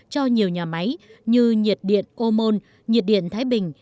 cho nhiều nhà máy như nhiệt điện omon nhiệt điện thái bình